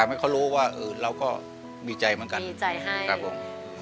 ให้เขารู้ว่าเราก็มีใจเหมือนกันดีใจให้ครับผม